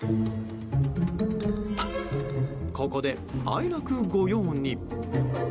ここで、あえなく御用に。